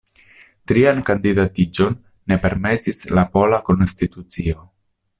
Trian kandidatiĝon ne permesis la pola konstitucio.